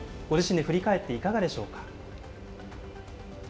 ご自身で振り返っていかがでしょ